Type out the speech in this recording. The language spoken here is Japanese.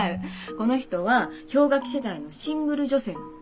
この人は氷河期世代のシングル女性なの。